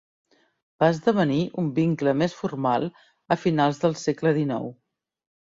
Va esdevenir un vincle més formal a finals del segle dinou.